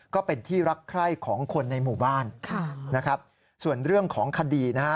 ก็เป็นที่รักใคร่ของคนในหมู่บ้านค่ะนะครับส่วนเรื่องของคดีนะฮะ